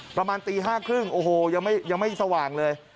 ประมาณตี๕๓๐โอ้โหยังไม่สว่างเลย